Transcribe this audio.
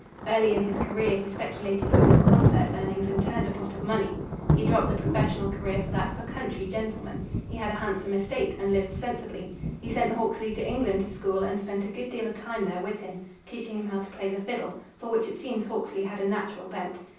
Early in his career he speculated with his concert earnings and turned a pot of money. He dropped the professional career for that of a country gentleman. He had a handsome estate, and lived sensibly. He sent Hawksley to England to school and spent a good deal of time there with him, teaching him how to play the fiddle, for which it seems Hawksley had a natural bent.